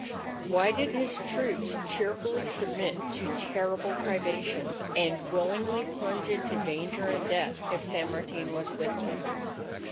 Why did his troops cheerfully submit to terrible privations, and willingly plunge into danger and death if San Martin was with them?